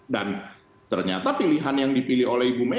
dan ternyata pilihan yang dipilih oleh ibu